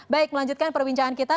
baik melanjutkan perbincangan kita